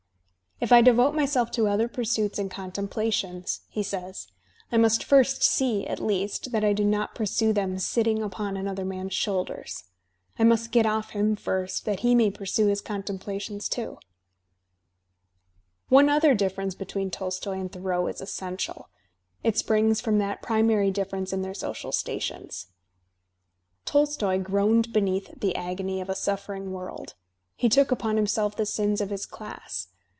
"If I devote myself to other pursuits and contemplations,'' he says, "I must first see, at least, that I do not pursue them sitting upon another man's shoulders. I must get off him first, that he may pursue his contemplations, too." Digitized by Google 176 THE SPIRIT OP AMERICAN LITERATURE One other diflFerence between Tolstoy and Thoreau is essential; it springs from that primary difference in their social stations. Tolstoy groaned beneath the agony of a suffering world; he took upon himself the sins of his class.